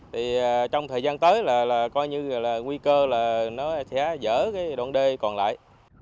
thì trong thời gian tới là coi như là nguy cơ là nó sẽ dở cái đoạn đê còn lại